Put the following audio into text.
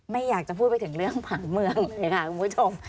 ไม่อยากจะพูดไปถึงเรื่องผังเมืองเลยค่ะคุณผู้ชม